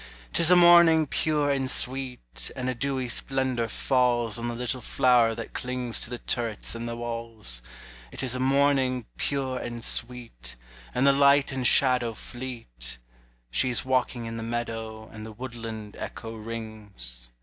'Tis a morning pure and sweet, And a dewy splendor falls On the little flower that clings To the turrets and the walls; 'T is a morning pure and sweet, And the light and shadow fleet: She is walking in the meadow, And the woodland echo rings.